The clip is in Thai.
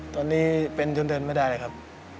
ตอนนี้เป็นจนเดินไม่ได้เลยครับ